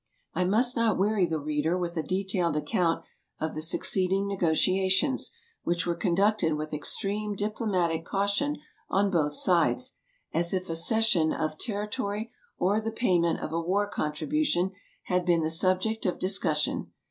I must not weary the reader with a detailed account of the succeeding negotiations, which were conducted with ex treme diplomatic caution on both sides, as if a cession of territory or the payment of a war contribution had been the subject of discussion.